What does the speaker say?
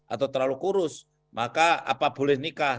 atau terlalu kurus maka apa boleh nikah